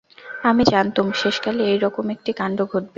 আমি জানতুম শেষকালে এইরকম একটি কাণ্ড ঘটবে।